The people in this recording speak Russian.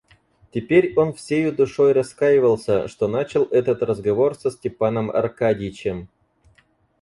Теперь он всею душой раскаивался, что начал этот разговор со Степаном Аркадьичем.